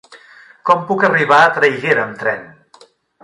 Com puc arribar a Traiguera amb tren?